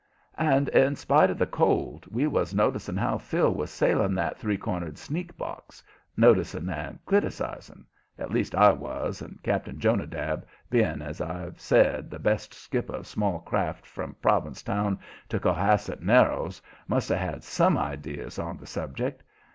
And, in spite of the cold, we was noticing how Phil was sailing that three cornered sneak box noticing and criticising; at least, I was, and Cap'n Jonadab, being, as I've said, the best skipper of small craft from Provincetown to Cohasset Narrows, must have had some ideas on the subject.